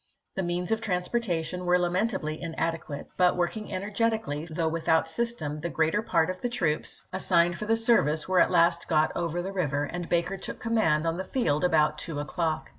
The means of transportation were lament ably inadequate; but working energetically, though without system, the greater part of the troops as signed for the service were at last got over the river, and Baker took command on the field about two o'clock.